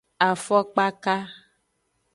Afokpaka.